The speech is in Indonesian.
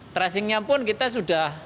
tracingnya pun kita sudah